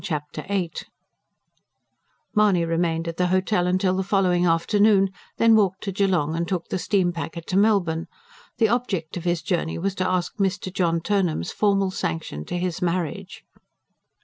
Chapter VIII Mahony remained at the Hotel till the following afternoon, then walked to Geelong and took the steam packet to Melbourne. The object of his journey was to ask Mr. John Turnham's formal sanction to his marriage.